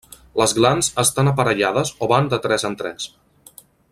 Les glans estan aparellades o van de tres en tres.